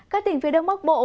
các tỉnh phía đông bắc bộ